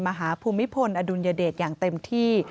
ภูมิพลอดุลยเดชอย่างเต็มที่